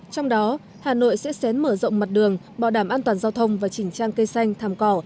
trong đó hà nội sẽ xén mở rộng mặt đường bảo đảm an toàn giao thông và chỉnh trang cây xanh thàm cỏ